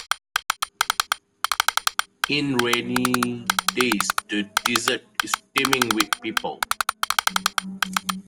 In rainy days the desert is teeming with people.